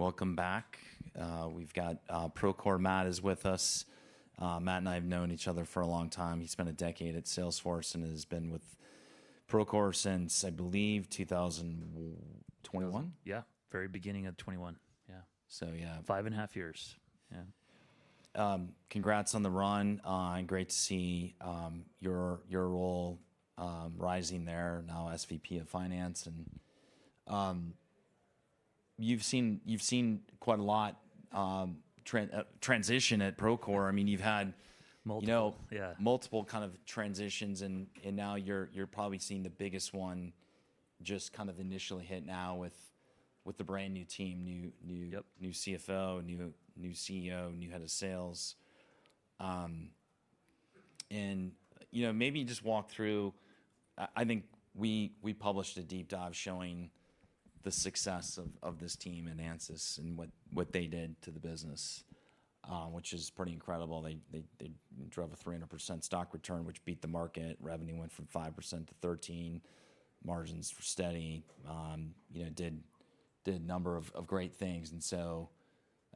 Welcome back. We've got Procore Matt is with us. Matt and I have known each other for a long time. He spent a decade at Salesforce and has been with Procore since, I believe, 2021. Yeah. Very beginning of 2021, yeah. Yeah. Five and a half years. Yeah. Congrats on the run. Great to see your role rising there, now SVP of Finance. You've seen quite a lot transition at Procore. You've had- Multiple, yeah multiple kind of transitions and now you're probably seeing the biggest one just initially hit now with the brand new team, new- Yep CFO, new CEO, new head of sales. Maybe just walk through, I think we published a deep dive showing the success of this team in Ansys and what they did to the business, which is pretty incredible. They drove a 300% stock return, which beat the market. Revenue went from 5% to 13%. Margins were steady. Did a number of great things.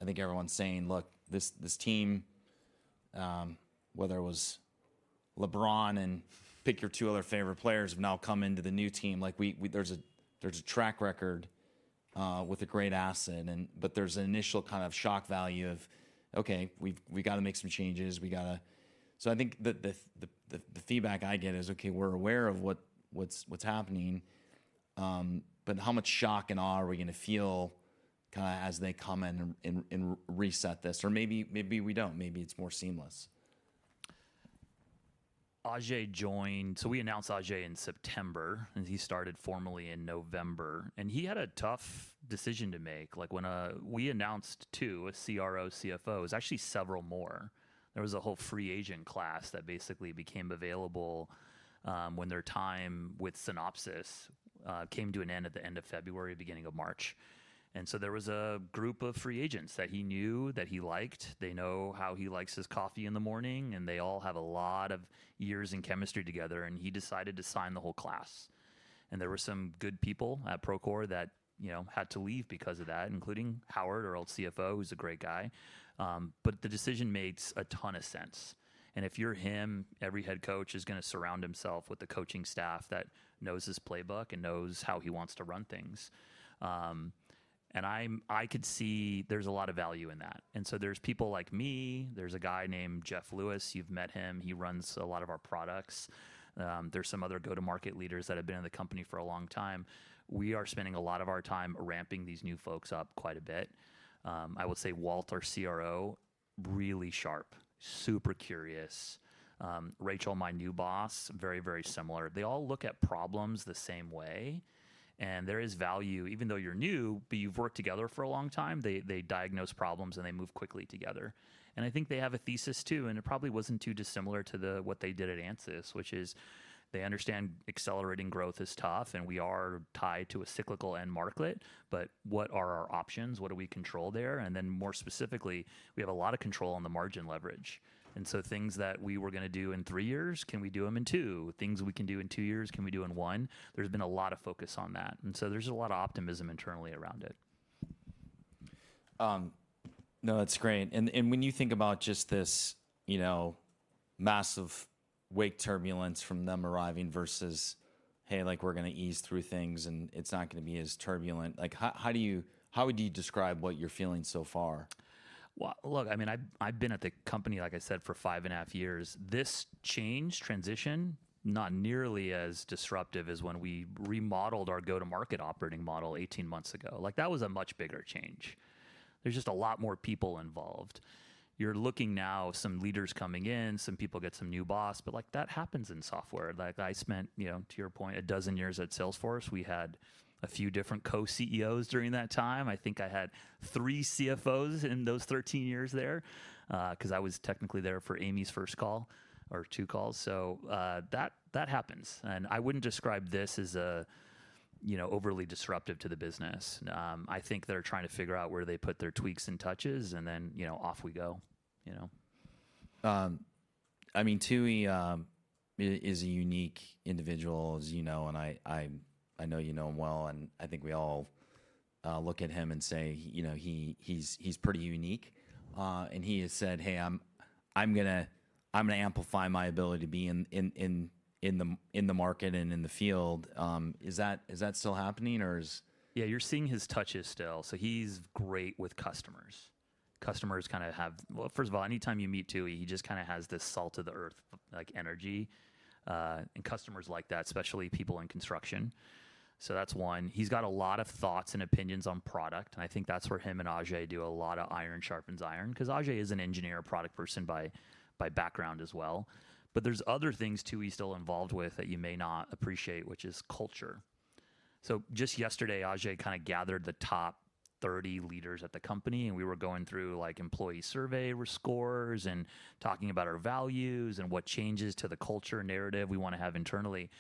I think everyone's saying, "Look, this team," whether it was LeBron and pick your two other favorite players, have now come into the new team. There's a track record with a great asset, but there's an initial shock value of, "Okay, we've got to make some changes." I think the feedback I get is, okay, we're aware of what's happening, but how much shock and awe are we going to feel as they come in and reset this? Or maybe we don't. Maybe it's more seamless. Ajei joined, we announced Ajei in September, and he started formally in November. He had a tough decision to make. When we announced, too, a CRO, CFO, it was actually several more. There was a whole free agent class that basically became available when their time with Synopsys came to an end at the end of February, beginning of March. There was a group of free agents that he knew, that he liked. They know how he likes his coffee in the morning, and they all have a lot of years and chemistry together, and he decided to sign the whole class. There were some good people at Procore that had to leave because of that, including Howard, our old CFO, who's a great guy. The decision makes a ton of sense. If you're him, every head coach is going to surround himself with a coaching staff that knows his playbook and knows how he wants to run things. I could see there's a lot of value in that. There's people like me, there's a guy named Geoff Lewis, you've met him. He runs a lot of our products. There's some other go-to-market leaders that have been in the company for a long time. We are spending a lot of our time ramping these new folks up quite a bit. I will say Walt, our CRO, really sharp, super curious. Rachel, my new boss, very similar. They all look at problems the same way, and there is value, even though you're new, but you've worked together for a long time. They diagnose problems, and they move quickly together. I think they have a thesis, too, and it probably wasn't too dissimilar to what they did at Ansys, which is they understand accelerating growth is tough, and we are tied to a cyclical end market. What are our options? What do we control there? More specifically, we have a lot of control on the margin leverage. Things that we were going to do in three years, can we do them in two? Things we can do in two years, can we do in one? There's been a lot of focus on that. There's a lot of optimism internally around it. That's great. When you think about just this massive wake turbulence from them arriving versus, "Hey, we're going to ease through things, and it's not going to be as turbulent." How would you describe what you're feeling so far? Well, look, I've been at the company, like I said, for five and a half years. This change transition, not nearly as disruptive as when we remodeled our go-to-market operating model 18 months ago. That was a much bigger change. There's just a lot more people involved. You're looking now, some leaders coming in, some people get some new boss, but that happens in software. I spent, to your point, a dozen years at Salesforce. We had a few different co-CEOs during that time. I think I had three CFOs in those 13 years there, because I was technically there for Amy's first call or two calls. That happens. I wouldn't describe this as overly disruptive to the business. I think they're trying to figure out where they put their tweaks and touches and then off we go. Tooey is a unique individual, as you know, and I know you know him well, and I think we all look at him and say he's pretty unique. He has said, "Hey, I'm going to amplify my ability to be in the market and in the field." Is that still happening? Yeah, you're seeing his touches still. He's great with customers. Well, first of all, anytime you meet Tooey, he just kind of has this salt of the earth energy, and customers like that, especially people in construction. That's one. He's got a lot of thoughts and opinions on product, and I think that's where him and Ajei do a lot of iron sharpens iron, because Ajei is an engineer product person by background as well. There's other things Tooey's still involved with that you may not appreciate, which is culture. Just yesterday, Ajei kind of gathered the top 30 leaders at the company, and we were going through employee survey scores and talking about our values and what changes to the culture narrative we want to have internally.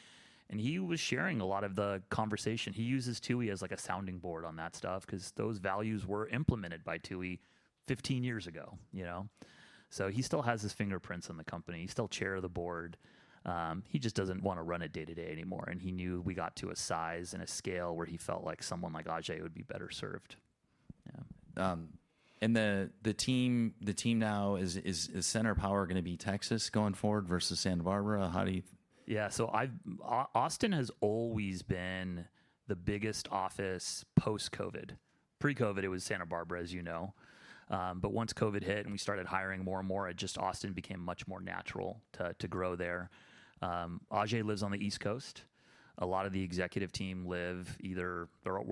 He was sharing a lot of the conversation. He uses Tooey as like a sounding board on that stuff because those values were implemented by Tooey 15 years ago. He still has his fingerprints on the company. He's still chair of the board. He just doesn't want to run it day-to-day anymore, and he knew we got to a size and a scale where he felt like someone like Ajei would be better served. The team now, is center of power going to be Texas going forward versus Santa Barbara? How do you- Yeah. Austin has always been the biggest office post-COVID. Pre-COVID, it was Santa Barbara, as you know. Once COVID hit and we started hiring more and more, just Austin became much more natural to grow there. Ajei lives on the East Coast. A lot of the executive team. We're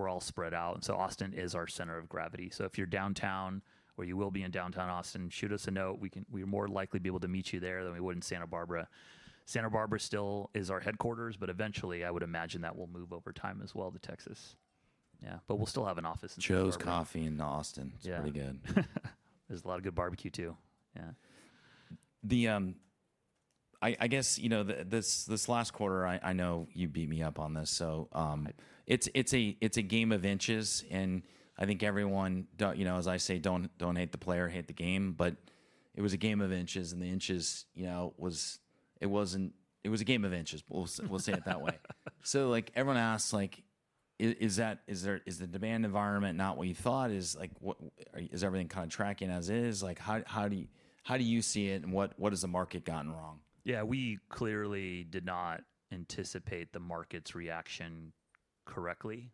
all spread out, and so Austin is our center of gravity. If you're downtown or you will be in downtown Austin, shoot us a note. We'd more likely be able to meet you there than we would in Santa Barbara. Santa Barbara still is our headquarters, but eventually, I would imagine that will move over time as well to Texas. Yeah. We'll still have an office in- Jo's Coffee in Austin. Yeah. It's really good. There's a lot of good barbecue too. Yeah. I guess, this last quarter, I know you beat me up on this. It's a game of inches, and I think everyone, as I say, don't hate the player, hate the game. It was a game of inches, and the inches, it was a game of inches. We'll say it that way. Everyone asks, is the demand environment not what you thought? Is everything kind of tracking as is? How do you see it, and what has the market gotten wrong? Yeah. We clearly did not anticipate the market's reaction correctly.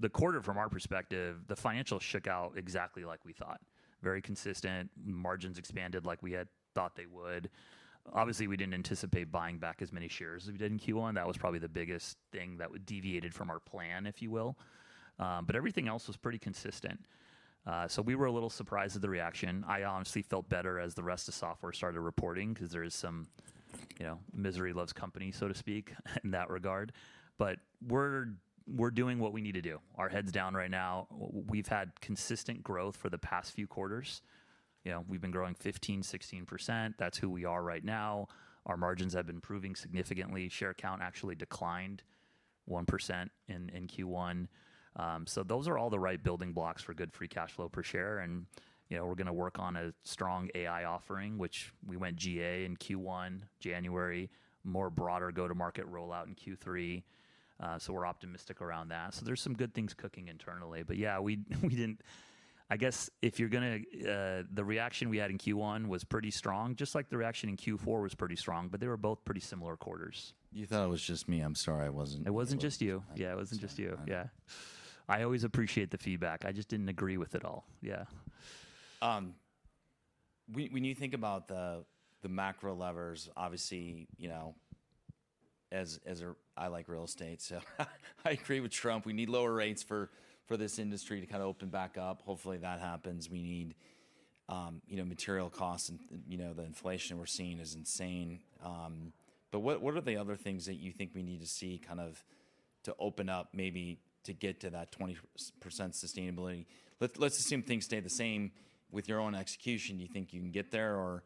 The quarter, from our perspective, the financials shook out exactly like we thought. Very consistent. Margins expanded like we had thought they would. Obviously, we didn't anticipate buying back as many shares as we did in Q1. That was probably the biggest thing that deviated from our plan, if you will. Everything else was pretty consistent. We were a little surprised at the reaction. I honestly felt better as the rest of the software started reporting because there is some misery loves company, so to speak, in that regard. We're doing what we need to do. Our head's down right now. We've had consistent growth for the past few quarters. We've been growing 15%-16%. That's who we are right now. Our margins have been improving significantly. Share count actually declined 1% in Q1. Those are all the right building blocks for good free cash flow per share, and we're going to work on a strong AI offering, which we went GA in Q1, January, more broader go-to-market rollout in Q3. We're optimistic around that. There's some good things cooking internally. Yeah, I guess the reaction we had in Q1 was pretty strong, just like the reaction in Q4 was pretty strong, they were both pretty similar quarters. You thought it was just me. I'm sorry, it wasn't. It wasn't just you. Yeah. It wasn't just you. Yeah. I always appreciate the feedback. I just didn't agree with it all. Yeah. When you think about the macro levers, obviously, I like real estate, so I agree with Trump. We need lower rates for this industry to kind of open back up. Hopefully, that happens. We need material costs, and the inflation we're seeing is insane. What are the other things that you think we need to see to open up, maybe to get to that 20% sustainability? Let's assume things stay the same with your own execution. Do you think you can get there,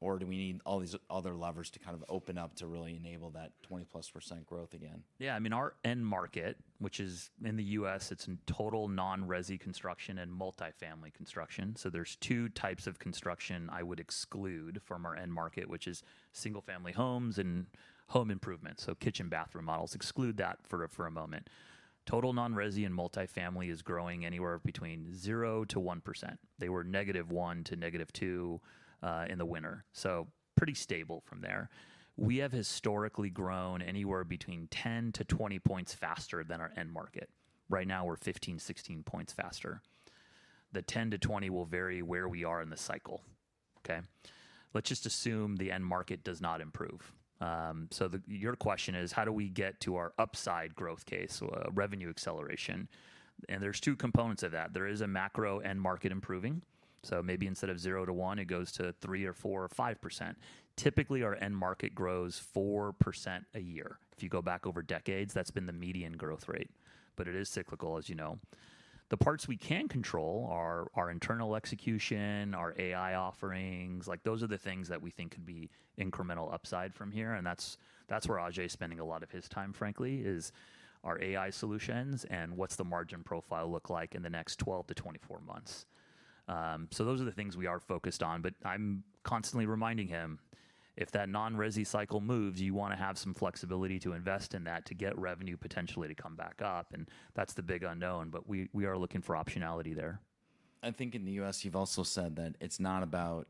or do we need all these other levers to kind of open up to really enable that 20-plus% growth again? Yeah. Our end market, which is in the U.S., it's in total non-resi construction and multifamily construction. There's two types of construction I would exclude from our end market, which is single-family homes and home improvements, so kitchen, bathroom models. Exclude that for a moment. Total non-resi and multifamily is growing anywhere between 0% to 1%. They were -1% to -2% in the winter. Pretty stable from there. We have historically grown anywhere between 10-20 points faster than our end market. Right now, we're 15-16 points faster. The 10-20 will vary where we are in the cycle. Okay? Let's just assume the end market does not improve. Your question is how do we get to our upside growth case, so a revenue acceleration? There's two components of that. There is a macro end market improving. Maybe instead of 0% to 1%, it goes to 3% or 4% or 5%. Typically, our end market grows 4% a year. If you go back over decades, that's been the median growth rate. It is cyclical, as you know. The parts we can control are our internal execution, our AI offerings. Those are the things that we think could be incremental upside from here, and that's where Ajei's spending a lot of his time, frankly, is our AI solutions and what's the margin profile look like in the next 12-24 months. Those are the things we are focused on. I'm constantly reminding him, if that non-resi cycle moves, you want to have some flexibility to invest in that to get revenue potentially to come back up, and that's the big unknown. We are looking for optionality there. I think in the U.S., you've also said that it's not about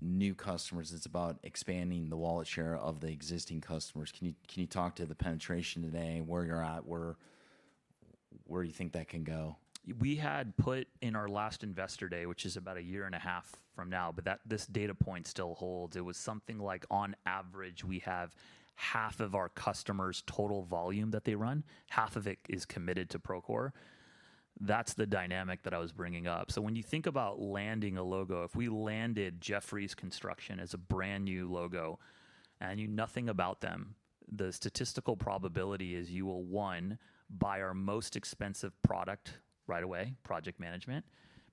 new customers, it's about expanding the wallet share of the existing customers. Can you talk to the penetration today, where you're at, where you think that can go? We had put in our last investor day, which is about a year and a half from now, but this data point still holds. It was something like on average, we have half of our customers' total volume that they run, half of it is committed to Procore. That's the dynamic that I was bringing up. When you think about landing a logo, if we landed Jefferies Construction as a brand-new logo and knew nothing about them, the statistical probability is you will, one, buy our most expensive product right away, project management,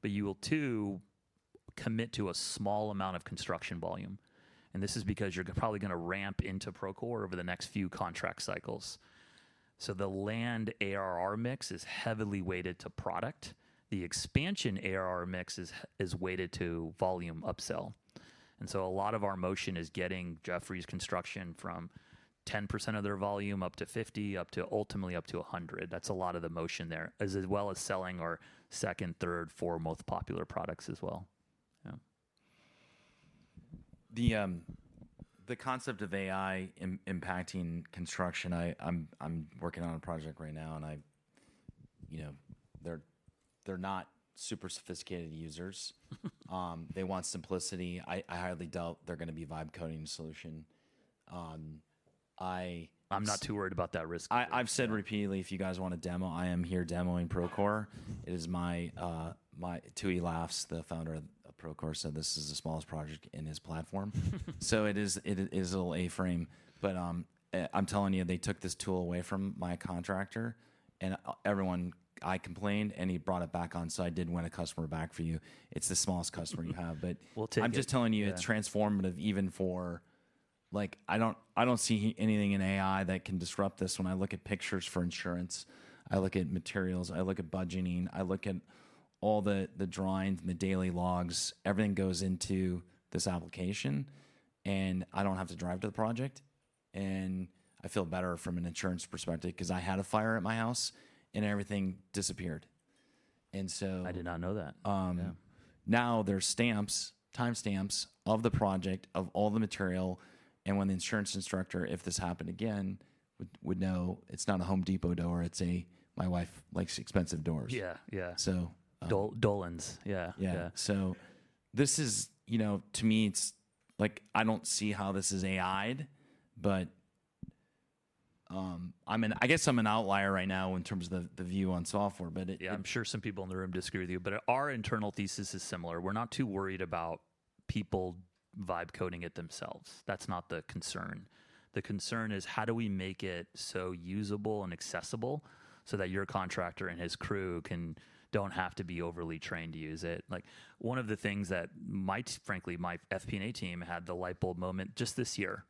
but you will, two, commit to a small amount of construction volume. This is because you're probably going to ramp into Procore over the next few contract cycles. The land ARR mix is heavily weighted to product. The expansion ARR mix is weighted to volume upsell. A lot of our motion is getting Jefferies Construction from 10% of their volume up to 50%, ultimately up to 100%. That's a lot of the motion there, as well as selling our second, third, fourth most popular products as well. Yeah. The concept of AI impacting construction, I'm working on a project right now, and they're not super sophisticated users. They want simplicity. I highly doubt they're going to be vibe coding the solution. I'm not too worried about that risk. I've said repeatedly, if you guys want a demo, I am here demoing Procore. Tooey Courtemanche, the founder of Procore, said this is the smallest project in his platform. It is a little A-frame. I'm telling you, they took this tool away from my contractor, I complained, he brought it back on, I did win a customer back for you. It's the smallest customer you have. We'll take it. Yeah I'm just telling you, it's transformative even for I don't see anything in AI that can disrupt this. When I look at pictures for insurance, I look at materials, I look at budgeting, I look at all the drawings, the daily logs, everything goes into this application, I don't have to drive to the project. I feel better from an insurance perspective because I had a fire at my house, and everything disappeared. I did not know that. Yeah There's timestamps of the project, of all the material, and when the insurance inspector, if this happened again, would know it's not a Home Depot door, my wife likes expensive doors. Yeah. So- Dolans. Yeah. Yeah. To me, I don't see how this is AI'd, but I guess I'm an outlier right now in terms of the view on software. Yeah, I'm sure some people in the room disagree with you, but our internal thesis is similar. We're not too worried about people vibe coding it themselves. That's not the concern. The concern is how do we make it so usable and accessible so that your contractor and his crew don't have to be overly trained to use it? One of the things that, frankly, my FP&A team had the light bulb moment just this year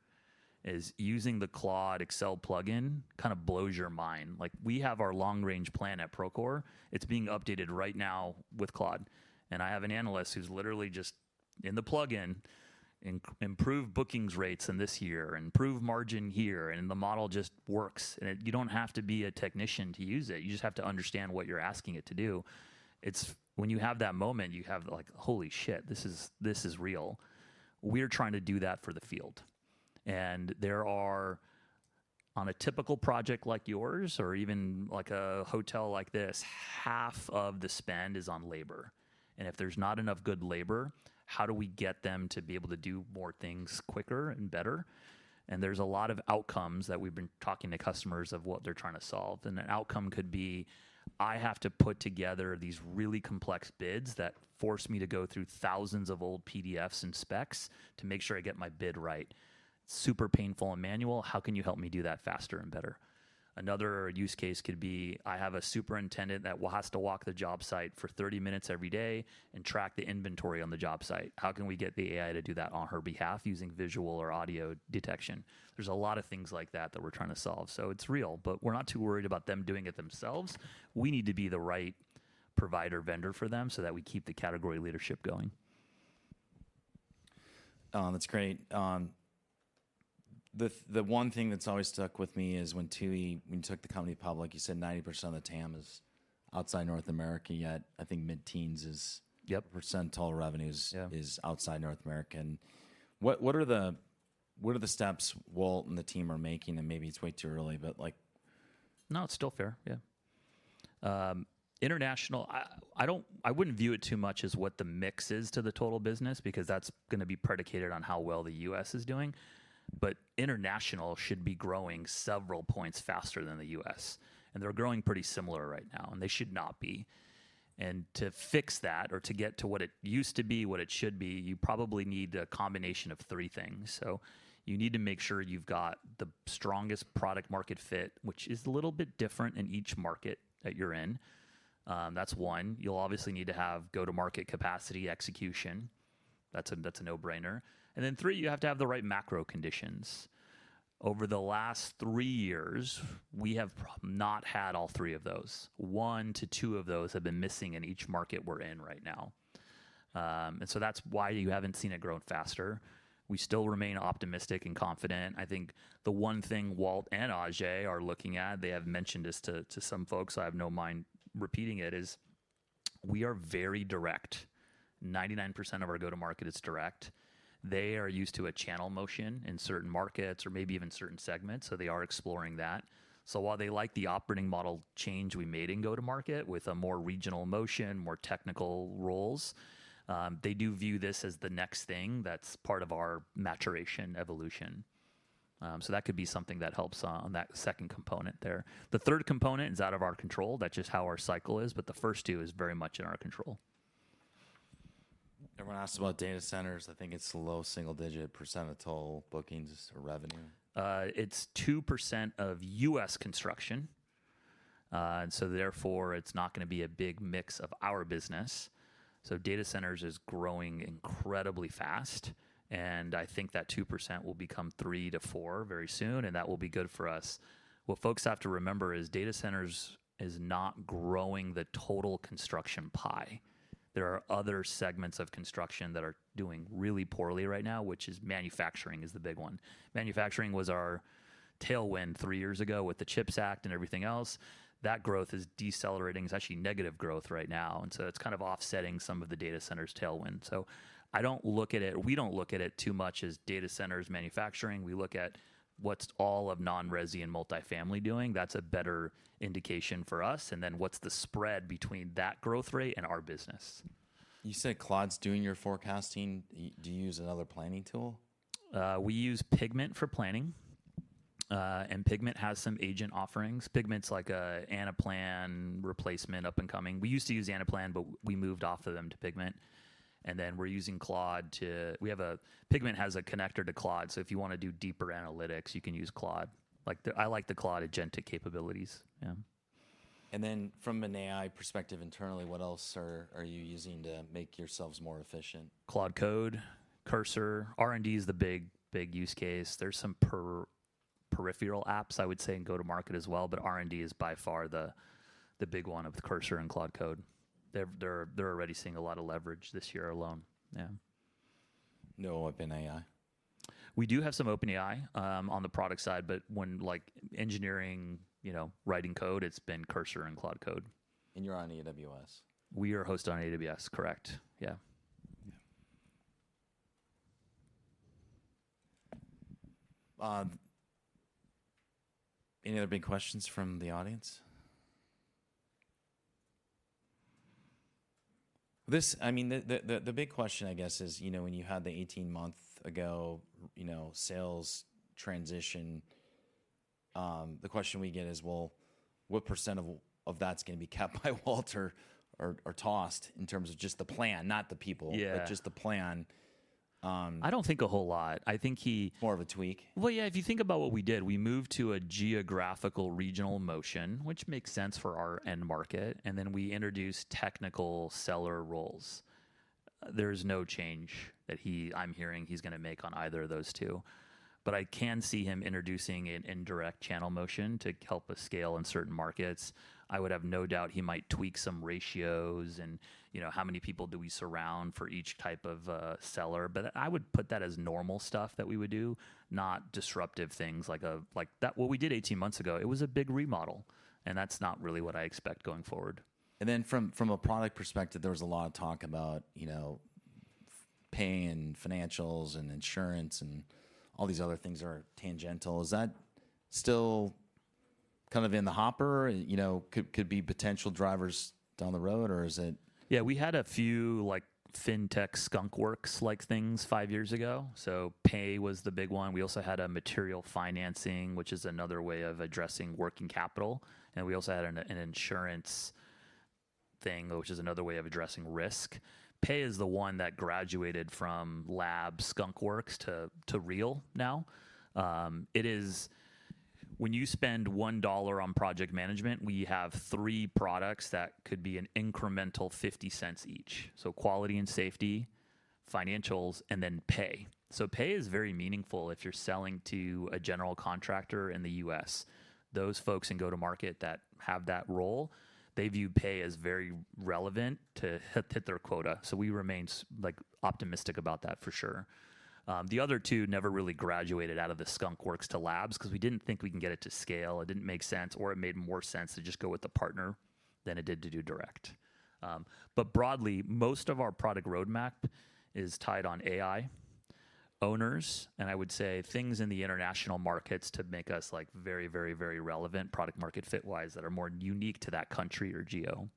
is using the Claude Excel plugin kind of blows your mind. We have our long-range plan at Procore. It's being updated right now with Claude. I have an analyst who's literally just in the plugin, improve bookings rates in this year, improve margin here, and the model just works. You don't have to be a technician to use it. You just have to understand what you're asking it to do. When you have that moment, you have like, "Holy shit, this is real." We're trying to do that for the field. There are, on a typical project like yours or even a hotel like this, half of the spend is on labor. If there's not enough good labor, how do we get them to be able to do more things quicker and better? There's a lot of outcomes that we've been talking to customers of what they're trying to solve. An outcome could be, "I have to put together these really complex bids that force me to go through thousands of old PDFs and specs to make sure I get my bid right. Super painful and manual. How can you help me do that faster and better?" Another use case could be, "I have a superintendent that has to walk the job site for 30 minutes every day and track the inventory on the job site. How can we get the AI to do that on her behalf using visual or audio detection?" There's a lot of things like that that we're trying to solve. It's real, but we're not too worried about them doing it themselves. We need to be the right provider vendor for them so that we keep the category leadership going. That's great. The one thing that's always stuck with me is when Tooey, when you took the company public, you said 90% of the TAM is outside North America, yet I think mid-teens is. Yep % total revenues. Yeah is outside North America. What are the steps Walt and the team are making? Maybe it's way too early. No, it's still fair. Yeah. International, I wouldn't view it too much as what the mix is to the total business, because that's going to be predicated on how well the U.S. is doing. International should be growing several points faster than the U.S., they're growing pretty similar right now, they should not be. To fix that or to get to what it used to be, what it should be, you probably need a combination of three things. You need to make sure you've got the strongest product market fit, which is a little bit different in each market that you're in. That's one. You'll obviously need to have go-to-market capacity execution. That's a no-brainer. Three, you have to have the right macro conditions. Over the last three years, we have not had all three of those. 1-2 of those have been missing in each market we're in right now. That's why you haven't seen it grow faster. We still remain optimistic and confident. I think the one thing Walt and Ajei are looking at, they have mentioned this to some folks, so I have no mind repeating it, is we are very direct. 99% of our go-to-market is direct. They are used to a channel motion in certain markets or maybe even certain segments, they are exploring that. While they like the operating model change we made in go-to-market with a more regional motion, more technical roles, they do view this as the next thing that's part of our maturation evolution. That could be something that helps on that second component there. The third component is out of our control. That's just how our cycle is. The first two is very much in our control. Everyone asks about data centers. I think it's low single-digit % of total bookings or revenue. It's 2% of U.S. construction. Therefore, it's not going to be a big mix of our business. Data centers is growing incredibly fast, and I think that 2% will become 3%-4% very soon, and that will be good for us. What folks have to remember is data centers is not growing the total construction pie. There are other segments of construction that are doing really poorly right now, which is manufacturing is the big one. Manufacturing was our tailwind 3 years ago with the CHIPS and Science Act and everything else. That growth is decelerating. It's actually negative growth right now, it's kind of offsetting some of the data centers' tailwind. We don't look at it too much as data centers manufacturing. We look at what's all of non-residential and multifamily doing. That's a better indication for us, what's the spread between that growth rate and our business? You said Claude's doing your forecasting. Do you use another planning tool? We use Pigment for planning. Pigment has some agent offerings. Pigment's like an Anaplan replacement up and coming. We used to use Anaplan. We moved off of them to Pigment. Pigment has a connector to Claude. If you want to do deeper analytics, you can use Claude. I like the Claude agentic capabilities, yeah. From an AI perspective internally, what else are you using to make yourselves more efficient? Claude Code, Cursor. R&D is the big use case. There's some peripheral apps, I would say, in go-to-market as well. R&D is by far the big one of Cursor and Claude Code. They're already seeing a lot of leverage this year alone, yeah. No OpenAI? We do have some OpenAI on the product side, but when engineering, writing code, it's been Cursor and Claude Code. You're on AWS? We are hosted on AWS, correct. Yeah. Yeah. Any other big questions from the audience? The big question, I guess is, when you had the 18-month ago sales transition, the question we get is, well, what % of that's going to be kept by Walt or tossed in terms of just the plan, not the people. Yeah just the plan? I don't think a whole lot. I think. More of a tweak? Well, yeah. If you think about what we did, we moved to a geographical regional motion, which makes sense for our end market, and then we introduced technical seller roles. There's no change that I'm hearing he's going to make on either of those two. I can see him introducing an indirect channel motion to help us scale in certain markets. I would have no doubt he might tweak some ratios and how many people do we surround for each type of seller. I would put that as normal stuff that we would do, not disruptive things. What we did 18 months ago, it was a big remodel, and that's not really what I expect going forward. From a product perspective, there was a lot of talk about pay and financials and insurance and all these other things are tangential. Is that still kind of in the hopper, could be potential drivers down the road, or is it- Yeah. We had a few fintech skunkworks-like things five years ago. Pay was the big one. We also had a material financing, which is another way of addressing working capital. We also had an insurance thing, which is another way of addressing risk. Pay is the one that graduated from lab skunkworks to real now. When you spend $1 on project management, we have three products that could be an incremental $0.50 each. Quality and safety, financials, and then pay. Pay is very meaningful if you're selling to a general contractor in the U.S. Those folks in go-to-market that have that role, they view pay as very relevant to hit their quota. We remain optimistic about that for sure. The other two never really graduated out of the skunkworks to labs because we didn't think we can get it to scale. It didn't make sense, or it made more sense to just go with a partner than it did to do direct. Broadly, most of our product roadmap is tied on AI owners, and I would say things in the international markets to make us very relevant product-market-fit wise that are more unique to that country or geo.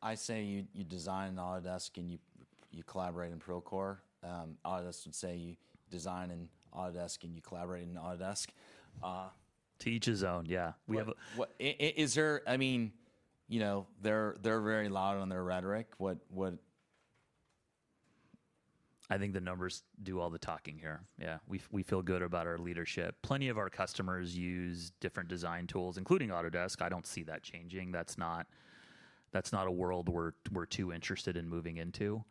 I say you design in Autodesk and you collaborate in Procore. Autodesk would say you design in Autodesk and you collaborate in Autodesk. To each his own, yeah. We have They're very loud on their rhetoric. I think the numbers do all the talking here. Yeah. We feel good about our leadership. Plenty of our customers use different design tools, including Autodesk. I don't see that changing. That's not a world we're too interested in moving into.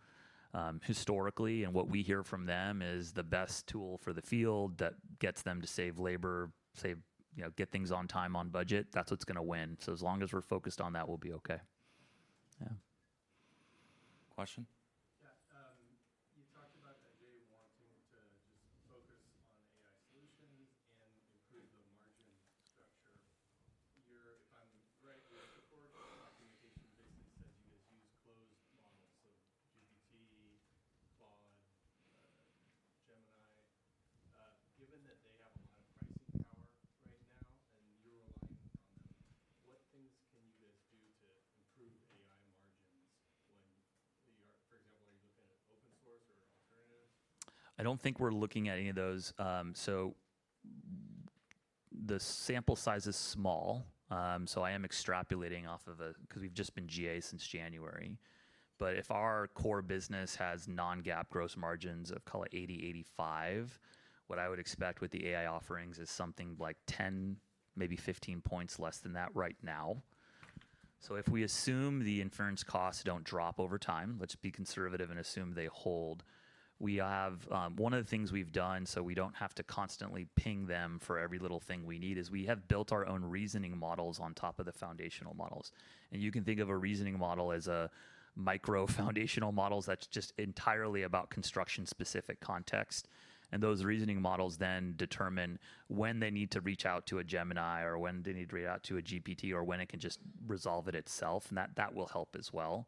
Historically, what we hear from them is the best tool for the field that gets them to save labor, get things on time, on budget, that's what's going to win. As long as we're focused on that, we'll be okay. Yeah. Question? Yeah. You talked about Ajei wanting to just focus on AI solutions and improve the margin structure. If I'm right, your support documentation basically says you guys use closed models, so GPT, Claude, Gemini. Given that they have a lot of pricing power right now and you're relying on them, what things can you guys do to improve AI margins when, for example, are you looking at open source or alternatives? I don't think we're looking at any of those. The sample size is small, so I am extrapolating off of a, because we've just been GA since January. If our core business has non-GAAP gross margins of call it 80, 85, what I would expect with the AI offerings is something like 10, maybe 15 points less than that right now. If we assume the inference costs don't drop over time, let's be conservative and assume they hold. One of the things we've done so we don't have to constantly ping them for every little thing we need is we have built our own reasoning models on top of the foundational models. You can think of a reasoning model as a micro-foundational models that's just entirely about construction-specific context. Those reasoning models then determine when they need to reach out to a Gemini or when they need to reach out to a GPT or when it can just resolve it itself, and that will help as well.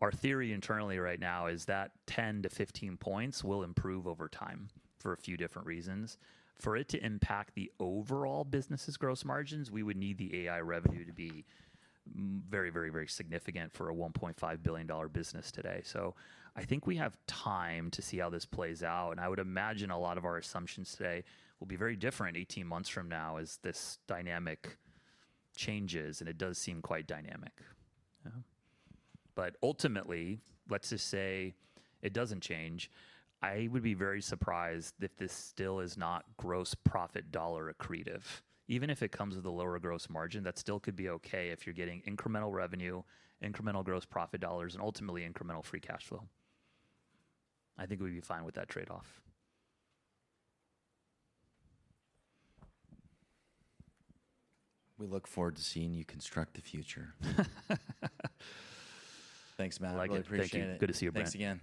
Our theory internally right now is that 10 to 15 points will improve over time for a few different reasons. For it to impact the overall business's gross margins, we would need the AI revenue to be very significant for a $1.5 billion business today. I think we have time to see how this plays out, and I would imagine a lot of our assumptions today will be very different 18 months from now as this dynamic changes, and it does seem quite dynamic. Yeah. Ultimately, let's just say it doesn't change. I would be very surprised if this still is not gross profit dollar accretive. Even if it comes with a lower gross margin, that still could be okay if you're getting incremental revenue, incremental gross profit dollars, and ultimately incremental free cash flow. I think we'd be fine with that trade-off. We look forward to seeing you construct the future. Thanks, Matt. You're welcome. I really appreciate it. Thank you. Good to see you, Brent. Thanks again.